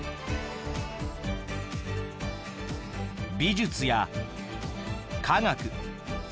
美術や科学。